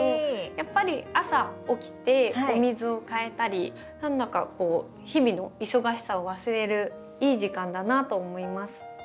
やっぱり朝起きてお水を替えたり何だか日々の忙しさを忘れるいい時間だなと思います。